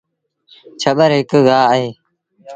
ڇٻر هڪ گآه اهي